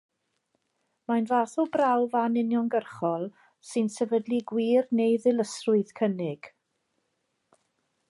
Mae'n fath o brawf anuniongyrchol sy'n sefydlu gwir neu ddilysrwydd cynnig.